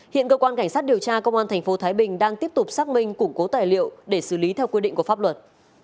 hiện cơ quan cảnh sát điều tra công an tp thái bình đang tiếp tục xác minh củng cố tài liệu để xử lý theo quy định của pháp luật